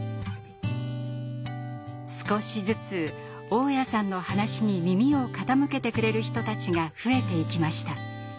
少しずつ雄谷さんの話に耳を傾けてくれる人たちが増えていきました。